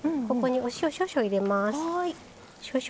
ここにお塩少々入れます。